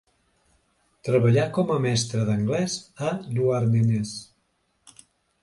Treballà com a mestre d'anglès a Douarnenez.